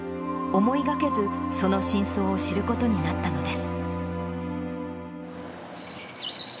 思いがけず、その真相を知ることになったのです。